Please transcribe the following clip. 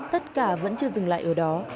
tất cả vẫn chưa dừng lại ở đó